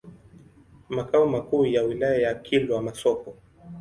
Makao makuu ya wilaya ni Kilwa Masoko.